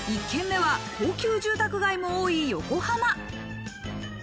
１軒目は高級住宅街も多い横浜。